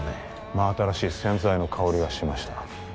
真新しい洗剤の香りがしました